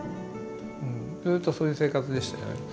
ずっとそういう生活でしたよね。